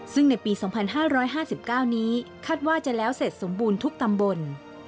ซึ่งในปี๒๕๕๙นี้คาดว่าจะแล้วเสร็จสมบูรณ์ทุกตำบล